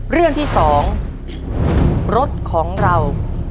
เรื่องที่๒รถของเรา